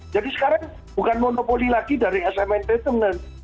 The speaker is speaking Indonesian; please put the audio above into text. jadi sekarang bukan monopoli lagi dari sm entertainment